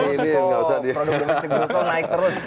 produk produk bisa naik terus